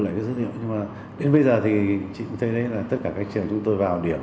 nhưng mà đến bây giờ thì chị cũng thấy đấy là tất cả các trường chúng tôi vào điểm